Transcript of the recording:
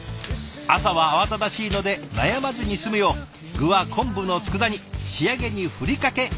朝は慌ただしいので悩まずに済むよう具は昆布のつくだ煮仕上げにふりかけが定番。